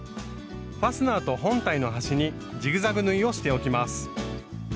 ファスナーと本体の端にジグザグ縫いをしておきます。